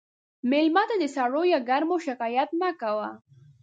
مېلمه ته د سړو یا ګرمو شکایت مه کوه.